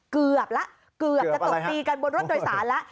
เกือบแล้วเกือบจะตบตีกันบนรถโดยสารแล้ว